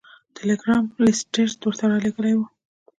ټیلګرام لیسټرډ ورته رالیږلی و.